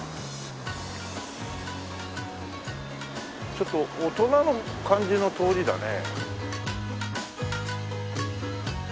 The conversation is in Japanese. ちょっと大人の感じの通りだね。